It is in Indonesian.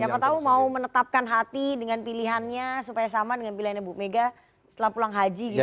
siapa tahu mau menetapkan hati dengan pilihannya supaya sama dengan pilihan ibu megawati soekarno putri setelah pulang haji gitu